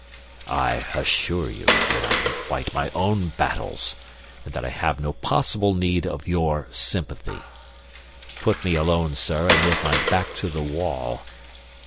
"I assure you that I can fight my own battles, and that I have no possible need of your sympathy. Put me alone, sir, and with my back to the wall.